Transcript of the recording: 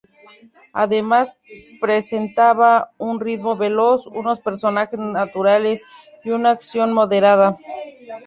Además presentaba un ritmo veloz, unos personajes "naturales" y una acción moderada.